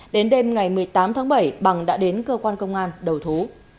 đến đêm ngày một mươi tám tháng bảy bằng đã đến cơ quan công an đầu thú